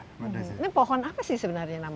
ini pohon apa sih sebenarnya